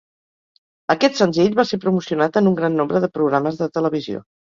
Aquest senzill va ser promocionat en un gran nombre de programes de televisió.